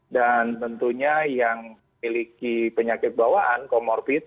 dan tentunya yang memiliki penyakit bawaan comorbid